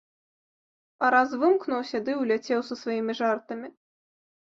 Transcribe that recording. А раз вымкнуўся ды і ўляцеў са сваімі жартамі.